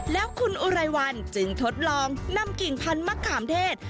แล้วคุณอุไรวันจึงทดลองนำกิ่งพันธมะขามเทศ